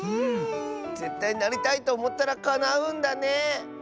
ぜったいなりたいとおもったらかなうんだね！